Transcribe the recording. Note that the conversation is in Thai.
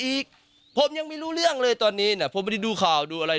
อีกผมยังไม่รู้เรื่องเลยตอนนี้น่ะผมไม่ได้ดูข่าวดูอะไร